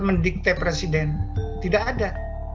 mendikte presiden tidak ada